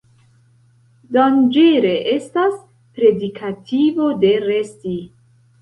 Danĝere estas predikativo de resti.